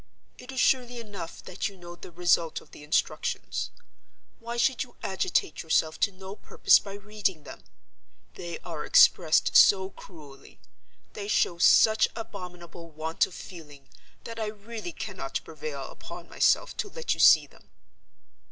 "It is surely enough that you know the result of the instructions. Why should you agitate yourself to no purpose by reading them? They are expressed so cruelly; they show such abominable want of feeling, that I really cannot prevail upon myself to let you see them."